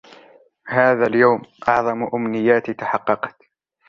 هذا اليوم, أعظم أُمنياتي تحققت.